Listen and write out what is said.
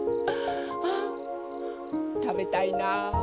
あぁたべたいな。